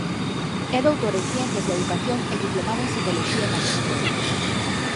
É doutor en Ciencias da Educación e diplomado en Psicoloxía e Maxisterio.